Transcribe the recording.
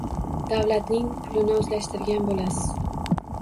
Davlatning pulini o‘zlashtirgan bo‘lasiz.